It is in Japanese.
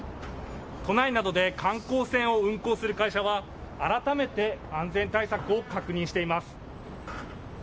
都内などで観光船を運航する会社は改めて安全対策を確認しています。